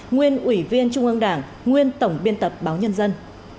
nguyên ủy viên trung ương đảng nguyên tổng biên tập báo nhân dân